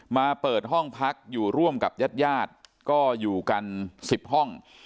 มาเปิดห้องพักอยู่ร่วมกับญาติญาติก็อยู่กัน๑๐ห้อง